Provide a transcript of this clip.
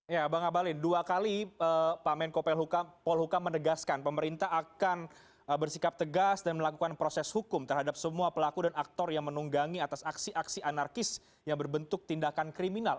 ya bang abalin dua kali pak menko polhukam menegaskan pemerintah akan bersikap tegas dan melakukan proses hukum terhadap semua pelaku dan aktor yang menunggangi atas aksi aksi anarkis yang berbentuk tindakan kriminal